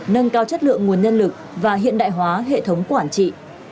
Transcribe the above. nâng cao chất lượng nguồn nhân lực và hiện đại hóa hệ thống quản trị